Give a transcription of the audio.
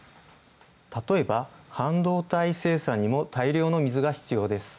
たとえば、半導体生産にも大量の水が必要です。